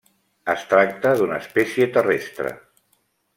Es tracta d'una espècie terrestre.